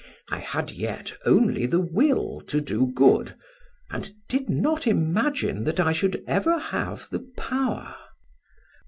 I had yet only the will to do good, and did not imagine that I should ever have the power.